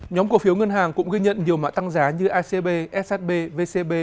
nhóm cổ phiếu ngân hàng cũng ghi nhận nhiều mã tăng giá như icb ssb vcb